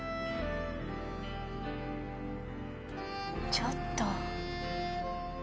ちょっと。